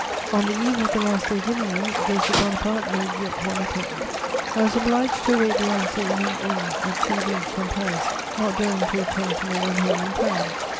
"On the eve of the last day given me, Joseph Bonaparte made yet one attempt.... "I was obliged to await the answer in an inn at two leagues from Paris, not daring to return to my own home in town.